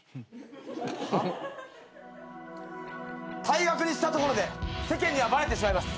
退学にしたところで世間にはバレてしまいます。